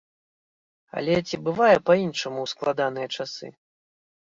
Але ці бывае па-іншаму ў складаныя часы?